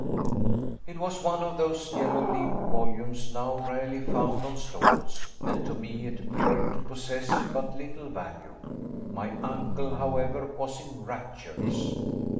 It was one of those yellow leaved volumes now rarely found on stalls, and to me it appeared to possess but little value. My uncle, however, was in raptures.